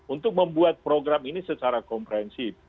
untuk membuat program ini secara komprehensif